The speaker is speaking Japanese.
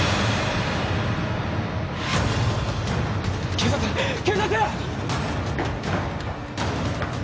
警察警察！